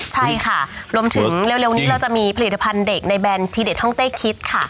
ใช่ค่ะรวมถึงเร็วนี้เราจะมีผลิตภัณฑ์เด็กในแบรนดทีเด็ดห้องเต้คิดค่ะ